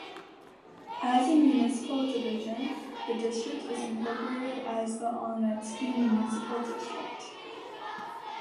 As a municipal division, the district is incorporated as Olonetsky Municipal District.